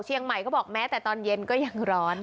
เชียงใหม่ก็บอกแม้แต่ตอนเย็นก็ยังร้อน